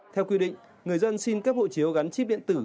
theo quy định người dân xin cấp hộ chiếu gắn chip điện tử